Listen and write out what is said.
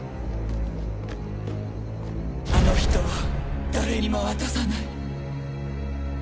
あの人は誰にも渡さない。